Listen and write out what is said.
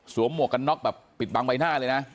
หมวกกันน็อกแบบปิดบังใบหน้าเลยนะ